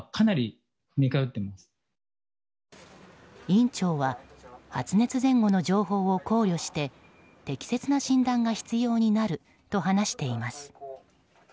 院長は発熱前後の情報を考慮して適切な診断が必要になると話しています。